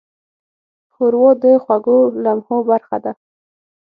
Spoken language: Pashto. ښوروا د خوږو لمحو برخه ده.